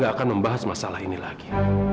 tidak akan membahas masalah ini lagi